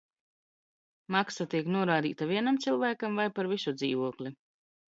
Maksa tiek norādīta vienam cilvēkam vai par visu dzīvokli?